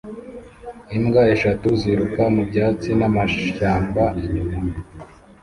imbwa eshatu ziruka mu byatsi n'amashyamba inyuma